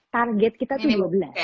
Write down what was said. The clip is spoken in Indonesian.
target kita tuh dua belas